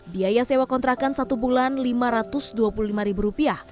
biaya sewa kontrakan satu bulan rp lima ratus dua puluh lima